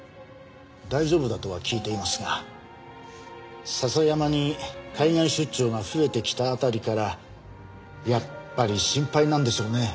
大丈夫だとは聞いていますが笹山に海外出張が増えてきた辺りからやっぱり心配なんでしょうね。